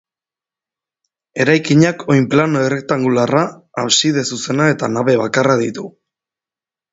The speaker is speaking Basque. Eraikinak oinplano errektangularra, abside zuzena eta nabe bakarra ditu.